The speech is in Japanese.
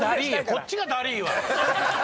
こっちがダリィわ！